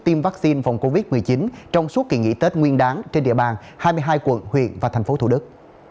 tiêm vaccine phòng covid một mươi chín trong suốt kỳ nghỉ tết nguyên đáng trên địa bàn hai mươi hai quận huyện và thành phố thủ đức